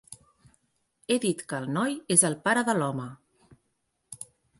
He dit que el noi és el pare de l'home.